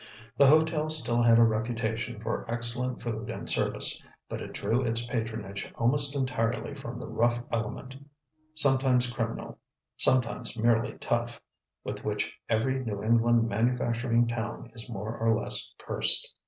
The hotel still had a reputation for excellent food and service, but it drew its patronage almost entirely from the rough element, sometimes criminal, sometimes merely tough, with which every New England manufacturing town is more or less cursed.